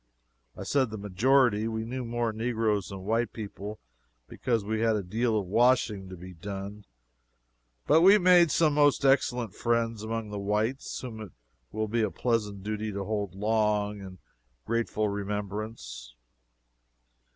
I said the majority. We knew more negroes than white people, because we had a deal of washing to be done, but we made some most excellent friends among the whites, whom it will be a pleasant duty to hold long in grateful remembrance.